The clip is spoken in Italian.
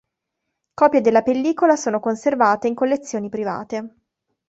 Copie della pellicola sono conservate in collezioni private.